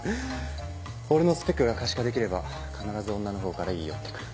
俺のスペックが可視化できれば必ず女のほうから言い寄って来る。